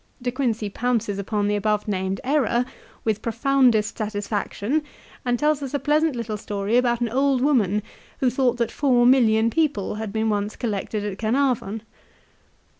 De Quincey pounces upon the above named error with profouudest satisfaction, and tells us a pleasant little story about an old woman who thought that four million people had been once collected at Carnarvon.